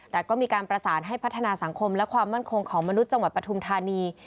แต่ก็มีการประสานให้พัฒนาสังคมและความมั่นคงของมนุษย์จังหวัดปฐุมธานี